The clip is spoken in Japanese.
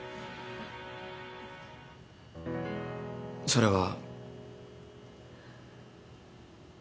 それは。